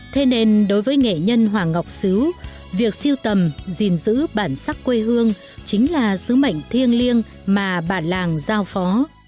thế nên đối với nghệ nhân hoàng ngọc xứ việc siêu tầm gìn giữ bản sắc quê hương chính là sứ mệnh thiêng liêng mà bản làng giao phó